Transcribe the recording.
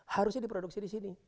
harusnya diproduksi di sini